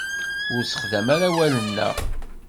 Ur sexdam ara awalen-a.